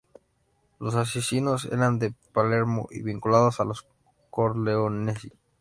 Los asesinos eran de Palermo y vinculados a los corleonesi.